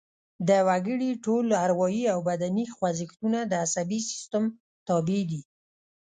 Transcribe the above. د وګړي ټول اروايي او بدني خوځښتونه د عصبي سیستم تابع دي